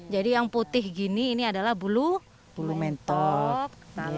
jadi yang putih ini adalah bulu mentok